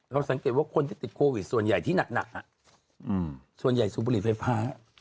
สังเกตว่าคนที่ติดโควิดส่วนใหญ่ที่หนักส่วนใหญ่สูบบุหรี่ไฟฟ้า